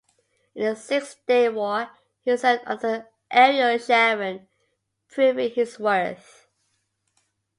In the Six-Day War, he served under Ariel Sharon, proving his worth.